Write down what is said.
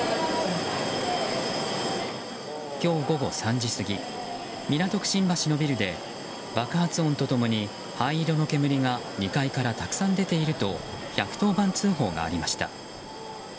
今日午後３時過ぎ港区新橋のビルで爆発音と共に灰色の煙が２階からたくさん出ていると１１０番通報がありました。